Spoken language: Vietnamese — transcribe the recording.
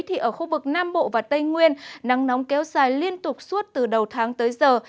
thì ở khu vực nam bộ và tây nguyên nắng nóng kéo dài liên tục suốt từ đầu tháng tới giờ